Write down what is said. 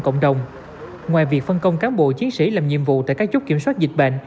cộng đồng ngoài việc phân công cán bộ chiến sĩ làm nhiệm vụ tại các chốt kiểm soát dịch bệnh